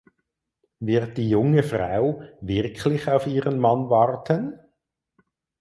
Wird die junge Frau wirklich auf ihren Mann warten?